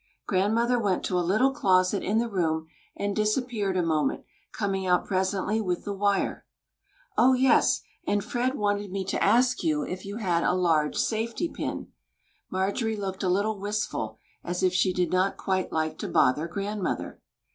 Grandmother went to a little closet in the room and disappeared a moment, coming out presently with the wire. "O, yes! and Fred wanted me to ask if you had a large safety pin." Marjorie looked a little wistful, as if she did not quite like to bother grandmother.